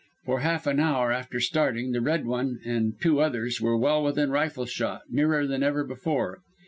For half an hour after starting the Red One and two others were well within rifle shot, nearer than ever before.